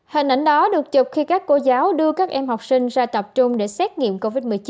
hình ảnh đó được chụp khi các cô giáo đưa các em học sinh ra tập trung để xét nghiệm covid một mươi chín